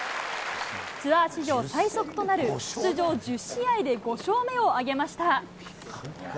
ツアー史上最速となる、出場１０試合で５勝目を挙げました。